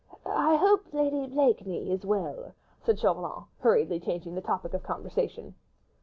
I hope Lady Blakeney is well," said Chauvelin, hurriedly changing the topic of conversation.